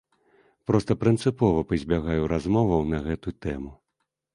Проста прынцыпова пазбягаю размоваў на гэту тэму.